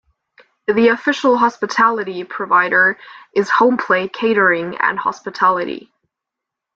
The official hospitality provider is HomePlate Catering and Hospitality.